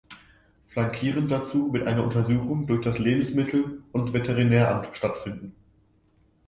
Flankierend dazu wird eine Untersuchung durch das Lebensmittel- und Veterinäramt stattfinden.